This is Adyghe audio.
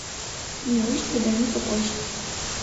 Неущ тыдэми тыкӏощт.